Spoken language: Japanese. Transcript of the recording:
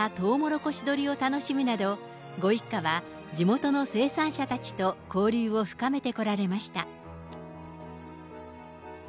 枝豆やトウモロコシ取りを楽しむなど、ご一家は地元の生産者たちと交流を深めてこられました。